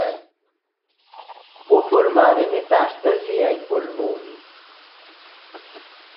Può formare metastasi ai polmoni.